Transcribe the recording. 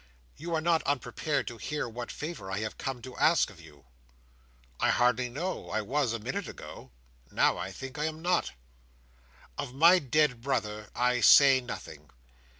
You are not unprepared to hear what favour I have come to ask of you?" "I hardly know. I was, a minute ago. Now, I think, I am not." "Of my dead brother I say nothing.